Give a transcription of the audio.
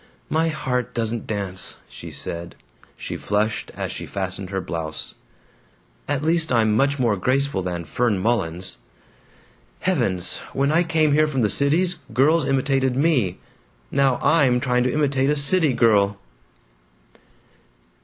"My heart doesn't dance," she said. She flushed as she fastened her blouse. "At least I'm much more graceful than Fern Mullins. Heavens! When I came here from the Cities, girls imitated me. Now I'm trying to imitate a city girl."